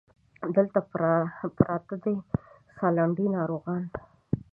دلته پراته د سالنډۍ ناروغان